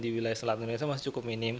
di wilayah selatan indonesia masih cukup minim